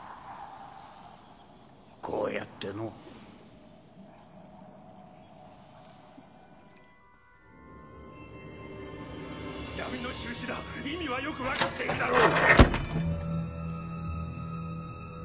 こうやっての闇の印だ意味はよく分かっているだろう！